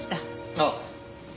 ああ。